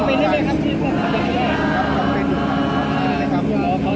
ภายใดกลับไปอีกแล้ว